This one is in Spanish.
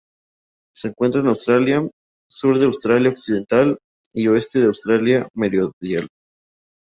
Se encuentra en Australia: sur de Australia Occidental y oeste de Australia Meridional.